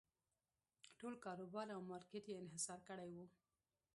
ټول کاروبار او مارکېټ یې انحصار کړی و.